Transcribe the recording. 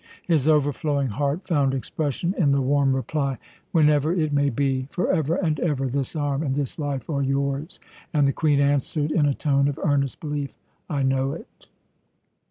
His overflowing heart found expression in the warm reply, "Whenever it may be, forever and ever this arm and this life are yours!" And the Queen answered in a tone of earnest belief, "I know it."